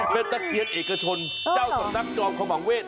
เป็นตะเคียนเอกชนเจ้าสำนักจอมขมังเวศ